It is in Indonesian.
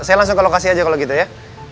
saya langsung ke lokasi aja kalau gitu ya